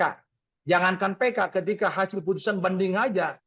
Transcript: menganggarkan pk ketika hasil putusan banding saja